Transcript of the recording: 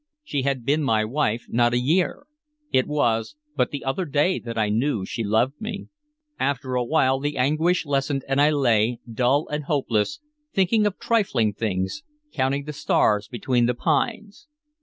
She had been my wife not a year; it was but the other day that I knew she loved me After a while the anguish lessened, and I lay, dull and hopeless, thinking of trifling things, counting the stars between the pines.